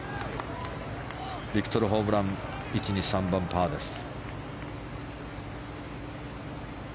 ビクトル・ホブラン１番、２番、３番パーです。